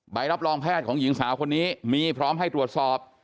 ใบรับรองแพทย์ของหญิงสาวคนนี้มีพร้อมให้ตรวจสอบ